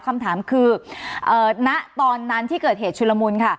คำถามคือณตอนนั้นที่เกิดเหตุชุลมุนค่ะ